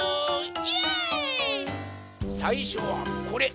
さいしょはこれ。